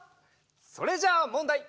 それじゃあもんだい！